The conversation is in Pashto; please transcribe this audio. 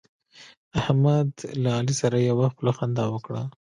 احمد له علي سره یوه خوله خندا وکړه.